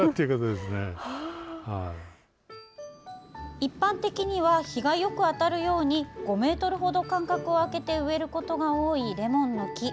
一般的には日がよく当たるように５ｍほど間隔をあけて植えることが多い、レモンの木。